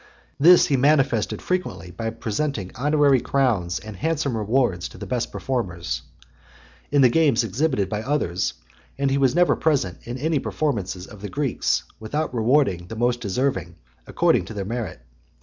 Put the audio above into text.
This he manifested frequently by presenting honorary crowns and handsome rewards to the best performers, in the games exhibited by others; and he never was present at any performance of the Greeks, without rewarding the most deserving, according to their merit.